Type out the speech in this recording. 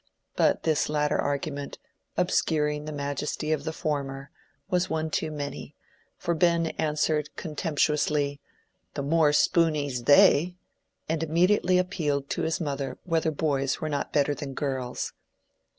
But this latter argument, obscuring the majesty of the former, was one too many, for Ben answered contemptuously, "The more spooneys they!" and immediately appealed to his mother whether boys were not better than girls.